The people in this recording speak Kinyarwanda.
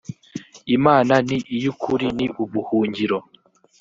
imana ni iy’ukuri ni ubuhungiro